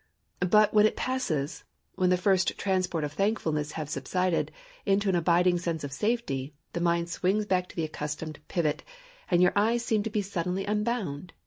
But when it passes, when the first transport of thankfulness has subsided into an abiding sense of safety, the mind swings back to the accustomed pivot, and your eyes seem to be suddenly unbound.